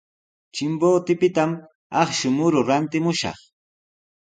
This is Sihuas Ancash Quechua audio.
Chimbotepitami akshu muru rantimushaq.